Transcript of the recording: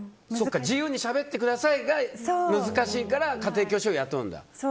自由にしゃべってくださいが難しいから家庭教師を雇うんだ。